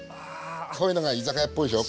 こういうのが居酒屋っぽいでしょう？